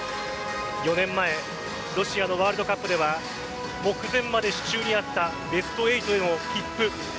４年前ロシアのワールドカップでは目前まで手中にあったベスト８への切符。